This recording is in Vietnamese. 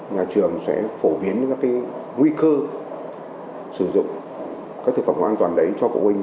nhà trường sẽ phổ biến các nguy cơ sử dụng các thực phẩm an toàn đấy cho phụ huynh